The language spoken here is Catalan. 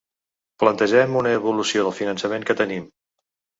Plantegem una evolució del finançament que tenim.